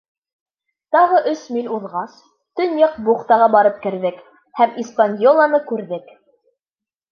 Тағы өс миль уҙғас, Төньяҡ бухтаға барып керҙек һәм «Испаньола»ны күрҙек.